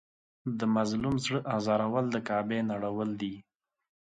د مظلوم زړه ازارول د کعبې نړول دي.